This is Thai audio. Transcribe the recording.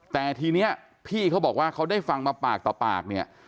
แต่ทีนี้พี่เขาบอกว่าเขาได้ฟังมาปากต่อปากเนี่ย